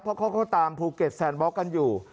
เพราะเขาก็ตามภูเก็ตแซนบล็อกกันอยู่